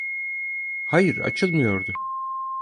Hayır, açılmıyordu.